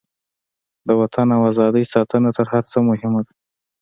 د وطن او ازادۍ ساتنه تر هر څه مهمه ده.